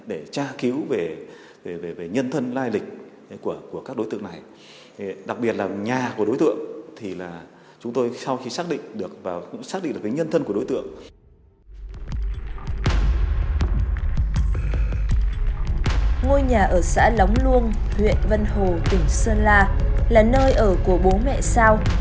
ngôi nhà ở xã lóng luông huyện vân hồ tỉnh sơn la là nơi ở của bố mẹ sao